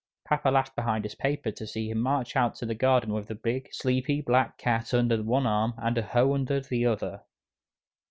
Papa laughed behind his paper to see him march out to the garden with the big, sleepy black cat under one arm and a hoe under the other.